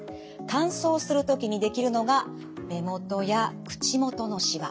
乾燥する時にできるのが目元や口元のしわ。